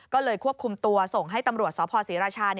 ก็เลยควบคุมตัวส่งให้ตำรวจสพศรีราชา